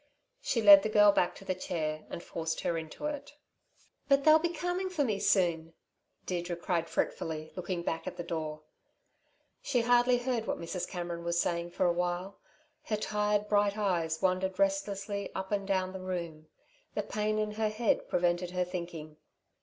She led the girl back to the chair, and forced her into it. "But they'll be coming for me soon," Deirdre cried fretfully, looking back at the door. She hardly heard what Mrs. Cameron was saying for awhile. Her tired, bright eyes wandered restlessly up and down the room. The pain in her head prevented her thinking.